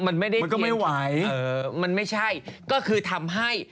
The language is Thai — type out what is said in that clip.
มันก็ไม่ไหวเออมันไม่ใช่ก็คือทำให้